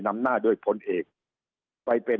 สุดท้ายก็ต้านไม่อยู่